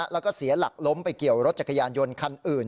แล้วก็เสียหลักล้มไปเกี่ยวรถจักรยานยนต์คันอื่น